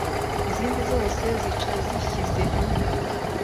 izindi zose zica zishyize hamwe.